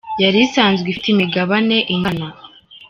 yari isanzwe ifite imigabane ingana.